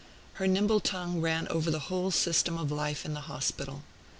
Her nimble tongue ran over the whole system of life in the hospital.